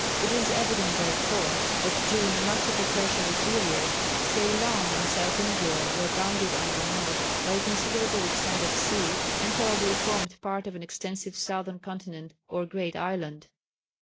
It is evident, therefore, that during much of the tertiary period, Ceylon and South India were bounded on the north by a considerable extent of sea, and probably formed part of an extensive Southern Continent or great island.